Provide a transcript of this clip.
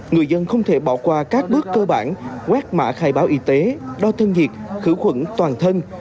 người dân không thể bỏ qua các bước cơ bản quét mã khai báo y tế đo thân nhiệt khử khuẩn toàn thân